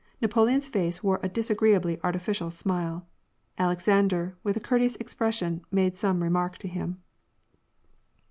Napoleon's face wore a disagreeably artificial smile. Alexander, with a cour teous expression, made some remark to him.